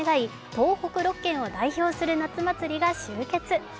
東北６県を代表する夏祭りが集結。